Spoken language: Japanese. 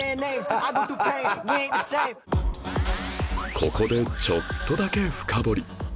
ここでちょっとだけ深掘り